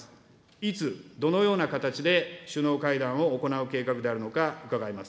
いつ、どのような形で首脳会談を行う計画であるのか伺います。